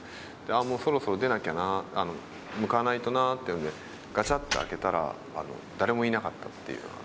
そろそろ出なきゃな向かわないとなっていうのでガチャって開けたら誰もいなかったっていう。